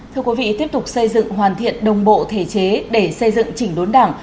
thưa quý vị tiếp tục xây dựng hoàn thiện đồng bộ thể chế để xây dựng chỉnh đốn đảng